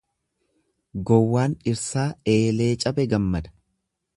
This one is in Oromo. Gowwaan dhirsaa eelee cabe gammada.